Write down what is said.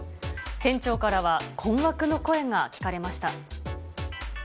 店長からは困惑の声が聞かれました。